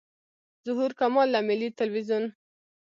ظهور کمال له ملي تلویزیون.